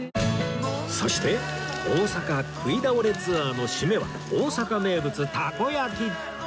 そして大阪食い倒れツアーの締めは大阪名物たこ焼き！